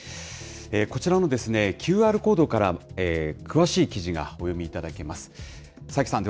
こちらのＱＲコードから、詳しい記事がお読みいただけます。